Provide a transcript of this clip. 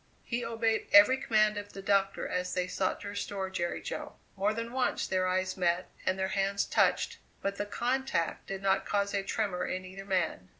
He obeyed every command of the doctor as they sought to restore Jerry Jo. More than once their eyes met and their hands touched, but the contact did not cause a tremor in either man.